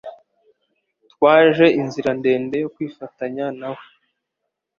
Twaje inzira ndende yo kwifatanya nawe.